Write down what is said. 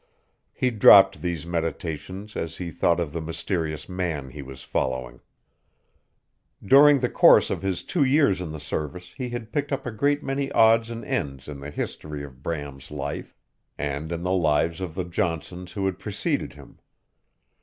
He dropped these meditations as he thought of the mysterious man he was following. During the course of his two years in the Service he had picked up a great many odds and ends in the history of Bram's life, and in the lives of the Johnsons who had preceded him.